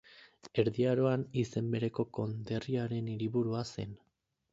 Erdi Aroan izen bereko konderriaren hiriburua zen.